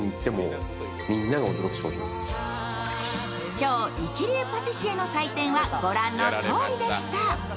超一流パティシエの採点は御覧のとおりでした。